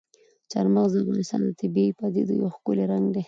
چار مغز د افغانستان د طبیعي پدیدو یو ښکلی رنګ دی.